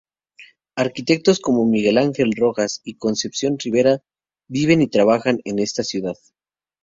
Arquitectos como Miguel Ángel Rojas y Concepción Rivera viven y trabajan en esta ciudad.